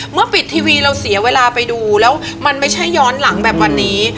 ปิดทีวีเราเสียเวลาไปดูแล้วมันไม่ใช่ย้อนหลังแบบวันนี้